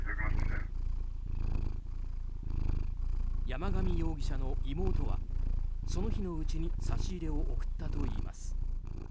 山上容疑者の妹はその日のうちに差し入れを送ったといいます。